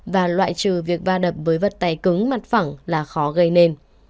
và loại trừ việc va đập với vật tài cứng mặt phẳng là khó gây nên